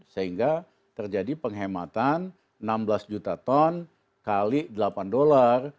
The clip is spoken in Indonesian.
sehingga terjadi penghematan enam belas juta ton kali delapan dolar